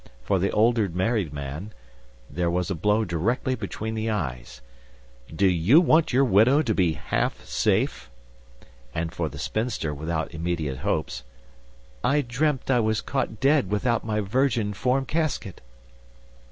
For the older married man, there was a blow directly between the eyes: "Do You Want Your Widow to Be Half Safe?" And, for the spinster without immediate hopes, "_I Dreamt I Was Caught Dead Without My Virginform Casket!